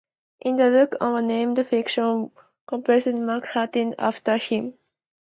In the book O'Rourke named a fictional war correspondent Max Hastings after him.